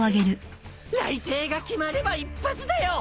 雷霆が決まれば一発だよ！